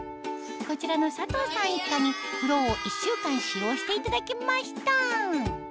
こちらの佐藤さん一家にフローを１週間使用していただきました